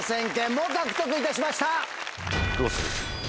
どうする？